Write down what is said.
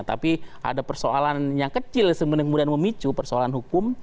tapi ada persoalan yang kecil sebenarnya memicu persoalan hukum